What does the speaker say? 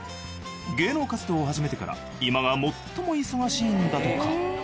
芸能活動を始めてから今が最も忙しいんだとか。